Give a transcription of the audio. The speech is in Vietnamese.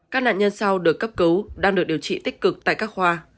các nạn nhân sau được cấp cứu đang được điều trị tích cực tại các khoa